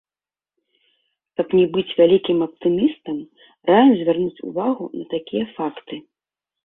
Каб не быць вялікім аптымістам, раім звярнуць увагу на такія факты.